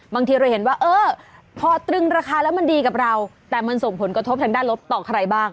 บางทีเราเห็นว่าเออพอตรึงราคาแล้วมันดีกับเราแต่มันส่งผลกระทบทางด้านลบต่อใครบ้าง